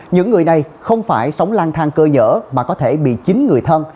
những người này không phải sống lang thang cơ nhở mà có thể bị chính người thân